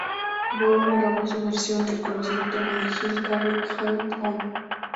Wolf grabó su versión del conocido tema de Gil "Carry It On.